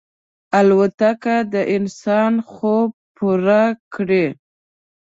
الوتکه د انسان خوب پوره کړی.